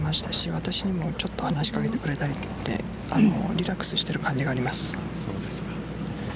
私にも話し掛けてくれたりしてリラックスしている感じがありました。